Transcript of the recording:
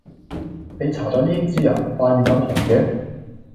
你搽左胭脂呀？塊臉咁紅嘅